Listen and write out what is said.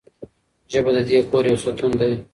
ژبه د دې کور یو ستون دی.